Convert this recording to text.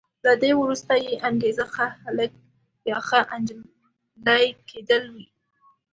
له دې وروسته یې انګېزه ښه هلک یا ښه انجلۍ کېدل وي.